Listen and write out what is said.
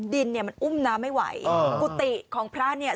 ดินเนี่ยมันอุ้มน้ำไม่ไหวกุฏิของพระเนี่ย